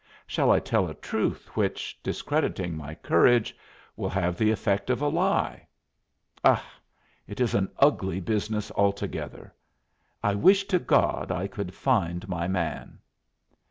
Shall I tell a truth which, discrediting my courage, will have the effect of a lie? Ugh! it is an ugly business altogether. I wish to God I could find my man!"